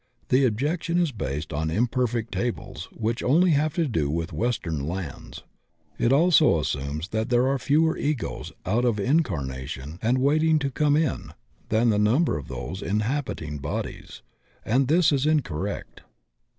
The objection is based on imperfect tables which only have to do with western lands. It also assmnes that there are fewer Egos out of incarnation and waiting to come in than the number of those inhabiting bodies, and this is incorrect.